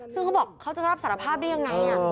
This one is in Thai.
ซึ่งเขาบอกเขาจะรับสารภาพได้ยังไง